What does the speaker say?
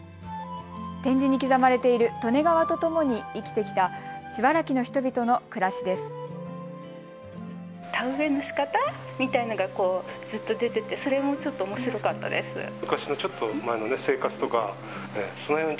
展示に刻まれている利根川とともに生きてきたちばらきの人々の暮らしです。